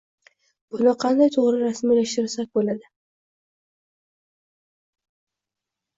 Buni qanday to‘g‘ri rasmiylashtirsak bo‘ladi?